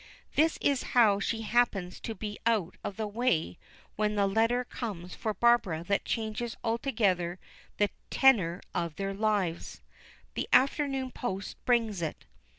This is how she happens to be out of the way when the letter comes for Barbara that changes altogether the tenor of their lives. The afternoon post brings it.